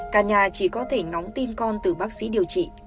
cả nhà chỉ có thể ngóng tin con từ bác sĩ điều trị